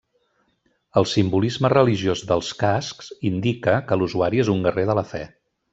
El simbolisme religiós dels cascs indica que l'usuari és un guerrer de la fe.